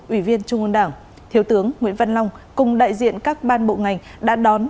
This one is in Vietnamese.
ủy viên trung ương đảng thiếu tướng nguyễn văn long cùng đại diện các ban bộ ngành đã đón